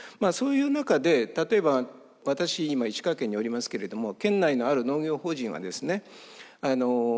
そういう中で例えば私今石川県におりますけれども県内のある農業法人はですね